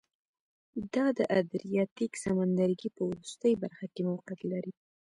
دا د ادریاتیک سمندرګي په وروستۍ برخه کې موقعیت لري